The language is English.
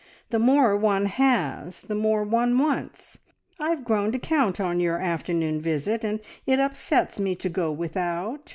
"The more one has the more one wants. I've grown to count on your afternoon visit, and it upsets me to go without.